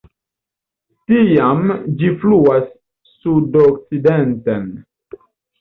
Tiam ĝi fluas sudokcidenten.